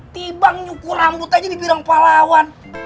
tiba nyuku rambut aja dibilang pahlawan